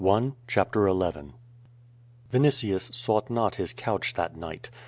89 CHAPTEE XL Vinitius sought not his couch that night.